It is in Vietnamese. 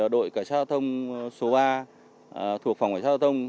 đội cảnh sát giao thông số ba thuộc phòng cảnh sát giao thông